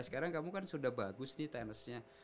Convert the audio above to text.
sekarang kamu kan sudah bagus nih tenisnya